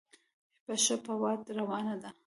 پښه په واټ روانه ده.